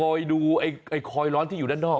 ดูไอ้คอยร้อนที่อยู่ด้านนอก